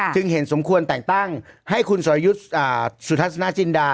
จึงเห็นสมควรแต่งตั้งให้คุณสรยุทธ์สุทัศนาจินดา